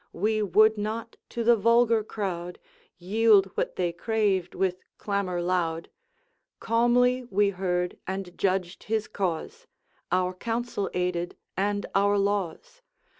We would not, to the vulgar crowd, Yield what they craved with clamor loud; Calmly we heard and judged his cause, Our council aided and our laws.